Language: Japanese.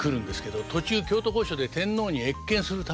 途中京都御所で天皇に謁見するためにですね